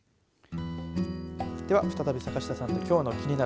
では、再び坂下さんときょうのキニナル！